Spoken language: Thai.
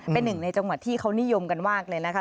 เป็นหนึ่งในจังหวัดที่เขานิยมกันมากเลยนะคะ